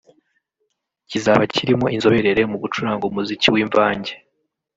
kizaba kirimo inzoberere mu gucuranga umuziki w’imvange